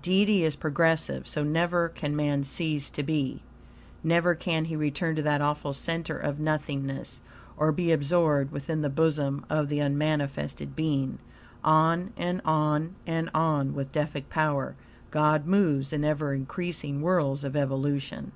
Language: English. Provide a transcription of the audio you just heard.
Deity is progressive, so never can man cease to be. Never can he return to that awful center of nothingness, or be absorbed within the bosom of the unmanifested being. On, and on, and on, with Deific power, God moves in ever increasing whirls of evolution.